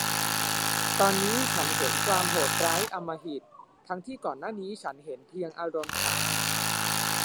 ตอนนี้ฉันเห็นความโหดร้ายอำมหิต ทั้งที่ก่อนหน้านี้ฉันเห็นเพียงอารมณ์ขัน